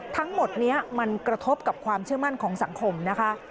ทั้งหมดนี้มันกระทบกับความเชื่อมั่นของสังคมนะคะ